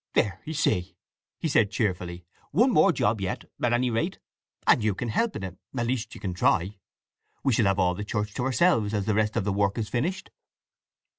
"There, you see," he said cheerfully. "One more job yet, at any rate, and you can help in it—at least you can try. We shall have all the church to ourselves, as the rest of the work is finished."